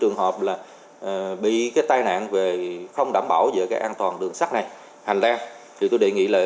rất khó để quản lý